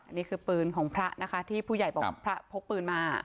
อันนี้คือปืนของพระนะคะที่ผู้ใหญ่บอกพระพกปืนมา